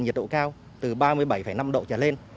nhiệt độ cao từ ba mươi bảy năm độ trở lên